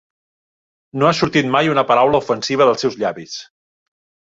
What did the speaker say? No ha sortit mai una paraula ofensiva dels seus llavis.